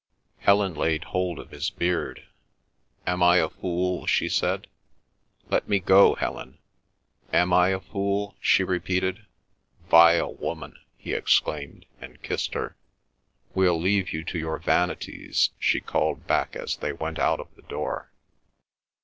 Helen laid hold of his beard. "Am I a fool?" she said. "Let me go, Helen." "Am I a fool?" she repeated. "Vile woman!" he exclaimed, and kissed her. "We'll leave you to your vanities," she called back as they went out of the door.